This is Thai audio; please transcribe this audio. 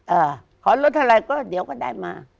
ขอลดเท่าไรก็เดี๋ยวก็ได้มา